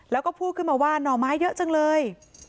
แล้วก็พูดขึ้นมาว่าหน่อไม้เยอะจังเลย